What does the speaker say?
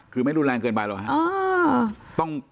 คือไม่รุนแรงเกินไปหรอกครับ